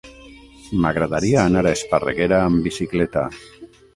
M'agradaria anar a Esparreguera amb bicicleta.